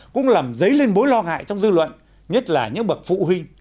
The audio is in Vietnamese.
cũng làm dấy lên mối lo ngại trong dư luận nhất là những bậc phụ huynh